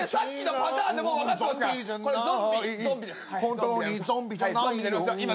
「本当にゾンビじゃないよ」